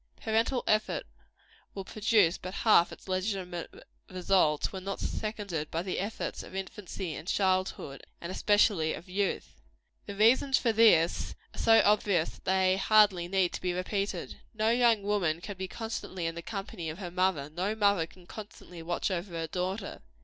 Parental effort will produce but half its legitimate results, when not seconded by the efforts of infancy and childhood, and especially of youth. The reasons for this are so obvious that they hardly need to be repeated. No young woman can be constantly in the company of her mother; no mother can constantly watch over her daughter.